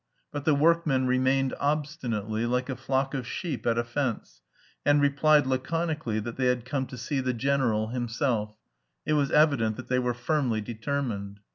But the workmen remained obstinately, like a flock of sheep at a fence, and replied laconically that they had come to see "the general himself"; it was evident that they were firmly determined.